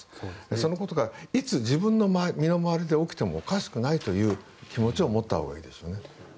そのことがいつ自分の身の回りで起きてもおかしくないという気持ちを持ったほうがいいです。